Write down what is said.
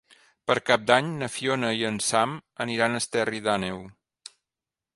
Per Cap d'Any na Fiona i en Sam aniran a Esterri d'Àneu.